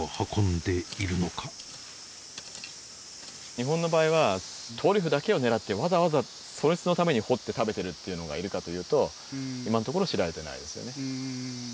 日本の場合はトリュフだけをねらってわざわざそいつのために掘って食べてるっていうのがいるかというと今のところ知られてないですよね。